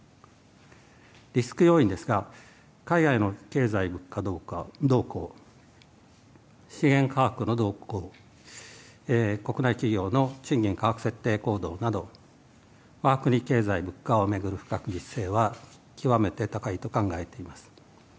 リスク要因ですが、海外の経済・物価動向、資源価格の動向、国内企業の賃金・価格設定行動など、わが国経済・物価を巡る不確実性は極めて高いと考えています。